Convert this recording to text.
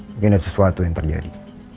mungkin ada sesuatu yang terjadi